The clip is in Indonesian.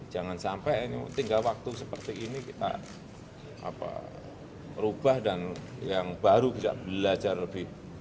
jangan sampai tinggal waktu seperti ini kita rubah dan yang baru bisa belajar lebih